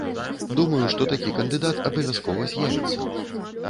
Думаю, што такі кандыдат абавязкова з'явіцца.